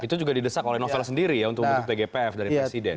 itu juga didesak oleh novel sendiri ya untuk tgpf dari presiden